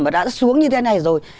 và đã xuống như thế này rồi